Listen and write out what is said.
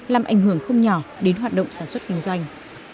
làm ảnh hưởng không nhỏ đến hoạt động sản xuất kinh doanh